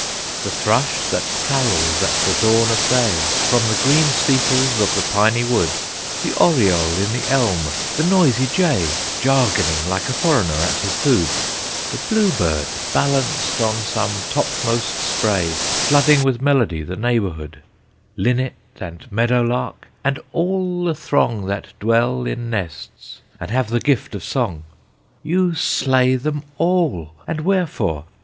"The thrush that carols at the dawn of day From the green steeples of the piny wood; The oriole in the elm; the noisy jay, Jargoning like a foreigner at his food; The blue bird balanced on some topmost spray, Flooding with melody the neighborhood; Linnet and meadow lark, and all the throng That dwell in nests, and have the gift of song. "You slay them all! and wherefore?